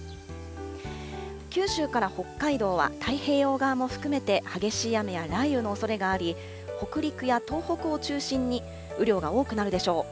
九州から北海道は、太平洋側も含めて激しい雨や雷雨のおそれがあり、北陸や東北を中心に、雨量が多くなるでしょう。